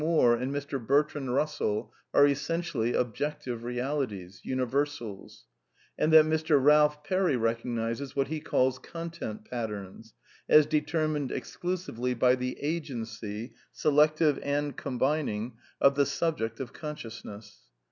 Moore and Mr. Bertrand Eussell are essentially ob jt^^tlTf) rrsilitirnj universals; and that Mr. Balph Perry recognizes what he calls "content patterns," as deter mined exclusively by the agency (selective and combining) of the subject of consciousness.